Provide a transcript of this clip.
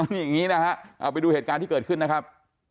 นี่อย่างนี้นะฮะเอาไปดูเหตุการณ์ที่เกิดขึ้นนะครับ